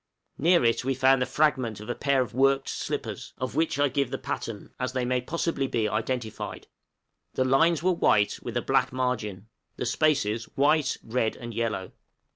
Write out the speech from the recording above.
Near it we found the fragment of a pair of worked slippers, of which I give the pattern, as they may possibly be identified. The lines were white, with a black margin; the spaces white, red, and yellow.